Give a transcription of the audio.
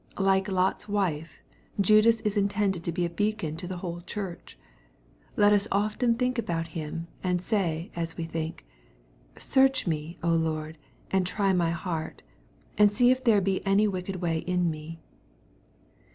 Like Lot's wife, Judas is intended to be a beacon to the whole church. Let us often think about him, and say, as we think, f^ Search me, Lord, and try my heart, and see if there be any wicked way in me."